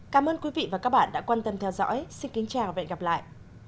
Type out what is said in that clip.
cảm ơn quý vị và các bạn đã quan tâm theo dõi xin kính chào và hẹn gặp lại